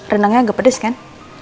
rendangnya agak pedes kan